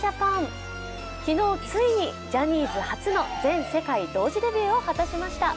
昨日、ついにジャニーズ初の全世界同時デビューを果たしました。